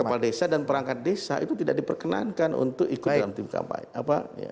kepala desa dan perangkat desa itu tidak diperkenankan untuk ikut dalam tim kampanye